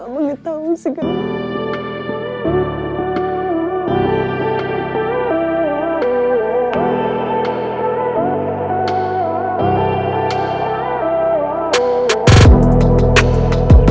maafin ibu kak